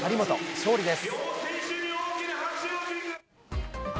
勝利です。